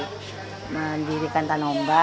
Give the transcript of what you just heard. terima kasih sama pak hendrik